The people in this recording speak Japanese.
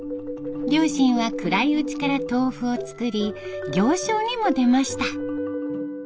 両親は暗いうちから豆腐を作り行商にも出ました。